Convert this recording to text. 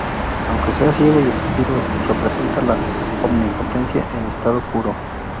Aunque sea ciego y estúpido, representa la omnipotencia en estado puro.